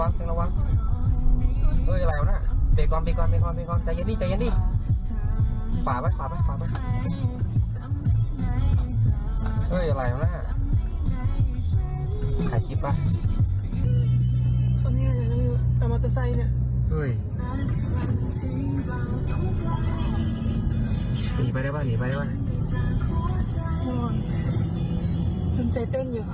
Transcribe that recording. มันเกือบชนรถตู้นะเมื่อกี้